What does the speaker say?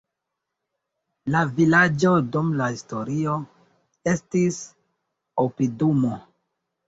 La vilaĝo dum la historio estis opidumo.